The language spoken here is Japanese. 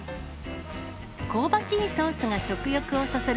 香ばしいソースが食欲をそそる